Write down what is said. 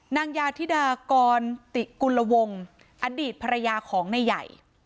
นางยาธิดากรติกุลวงอดีตภรรยาของนายใหญ่